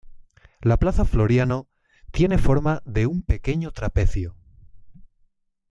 La Plaza Floriano tiene forma de un pequeño trapecio.